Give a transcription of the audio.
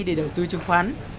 để đầu tư chứng khoán